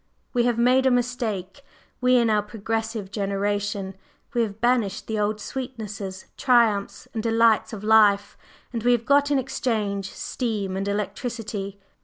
We have made a mistake we, in our progressive generation, we have banished the old sweetnesses, triumphs and delights of life, and we have got in exchange steam and electricity.